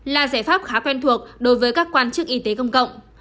là giải pháp khá quen thuộc đối với các quan chức y tế công cộng